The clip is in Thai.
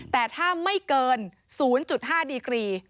แต่ถ้าไม่เกิน๐๕ดีกรี